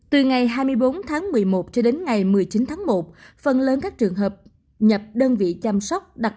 từ ngày hai mươi bốn tháng một mươi một cho đến ngày một mươi chín tháng một phần lớn các trường hợp nhập đơn vị chăm sóc